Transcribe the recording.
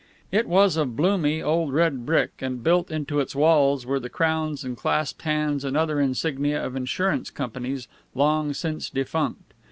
It was of bloomy old red brick, and built into its walls were the crowns and clasped hands and other insignia of insurance companies long since defunct.